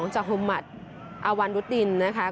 จังหุ่มหมัดอวรรณรุจดินนะคะ